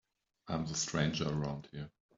I'm the stranger around here.